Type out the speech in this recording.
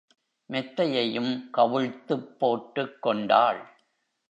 மெத்தையையும் கவிழ்த்துப் போட்டுக் கொண்டாள்.